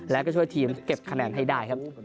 แล้วก็ช่วยทีมเก็บคะแนนให้ได้ครับ